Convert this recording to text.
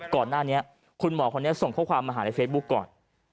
ก่อนหน้านี้คุณหมอคนนี้ส่งข้อความมาหาในเฟซบุ๊กก่อน